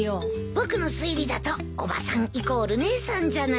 僕の推理だとおばさんイコール姉さんじゃないかと。